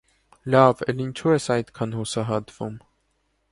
Լավ, էլ ինչու ես այդքան հուսահատվում: